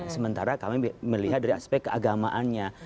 sementara kami melihat dari aspek keagamaannya